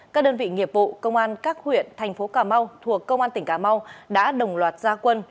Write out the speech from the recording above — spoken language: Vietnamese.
các đơn vị nghiệp vụ công an các huyện thành phố cà mau thuộc công an tỉnh cà mau đã đồng loạt gia quân